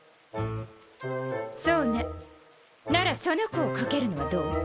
そうねならその子を賭けるのはどう？